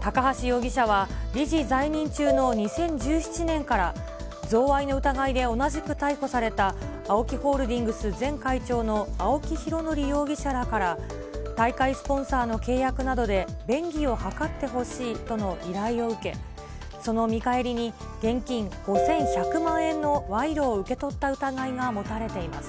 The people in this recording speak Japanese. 高橋容疑者は、理事在任中の２０１７年から、贈賄の疑いで同じく逮捕された、ＡＯＫＩホールディングス、前会長の青木拡憲容疑者らから、大会スポンサーの契約などで便宜を図ってほしいとの依頼を受け、その見返りに、現金５１００万円の賄賂を受け取った疑いが持たれています。